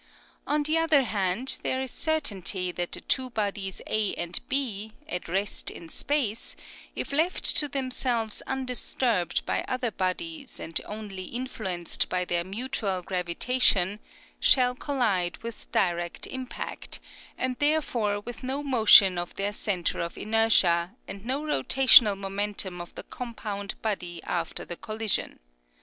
On the other hand, there is certainty that the two bodies A and B, at rest in space, if left to themselves undisturbed by other bodies and only influenced by their mutual gravitation, shall collide with direct impact, and therefore with no motion of their centre of inertia, and no rotational momentum of the compound body after the collision.